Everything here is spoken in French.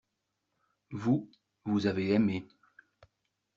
Vous, vous avez aimé.